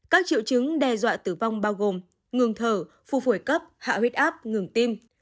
các triệu chứng đe dọa tử vong bao gồm ngừng thở phù phổi cấp hạ huyết áp ngừng tim